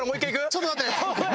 ちょっと待ってね！